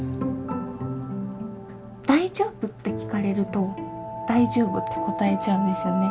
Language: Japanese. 「大丈夫？」と聞かれると「大丈夫」って答えちゃうんですよね。